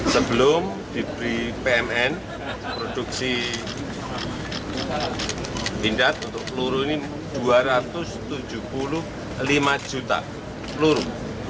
sebelum diberi pmn produksi pindad untuk peluru ini dua ratus tujuh puluh lima juta peluru